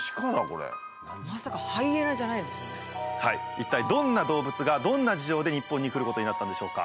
一体どんな動物がどんな事情で日本に来ることになったんでしょうか。